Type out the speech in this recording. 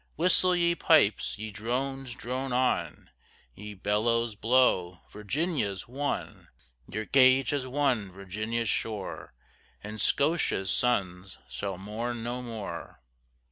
Whistle ye pipes! ye drones drone on. Ye bellows blow! Virginia's won! Your Gage has won Virginia's shore, And Scotia's sons shall mourn no more.